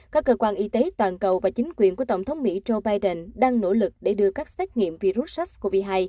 các cơ quan y tế toàn cầu và chính quyền của tổng thống mỹ joe biden đang nỗ lực để đưa các xét nghiệm virus sars cov hai